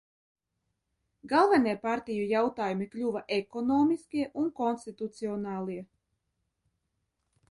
Galvenie partiju jautājumi kļuva ekonomiskie un konstitucionālie.